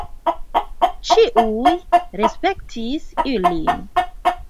Ĉiuj respektis ilin.